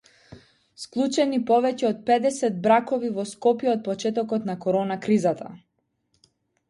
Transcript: Склучени повеќе од педесет бракови во Скопје од почетокот на корона кризата